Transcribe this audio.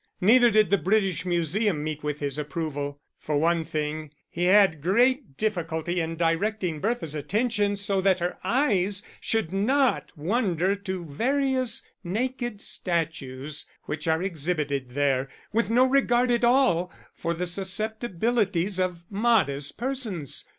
Neither did the British Museum meet with his approval; for one thing, he had great difficulty in directing Bertha's attention so that her eyes should not wander to various naked statues which are exhibited there with no regard at all for the susceptibilities of modest persons.